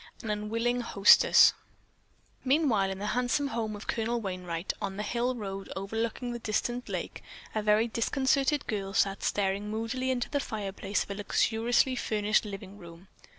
AN UNWILLING HOSTESS Meanwhile in the handsome home of Colonel Wainright, on the hill road overlooking the distant lake, a very discontented girl sat staring moodily into the fireplace of a luxuriously furnished living room.